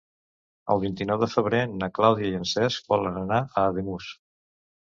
El vint-i-nou de febrer na Clàudia i en Cesc volen anar a Ademús.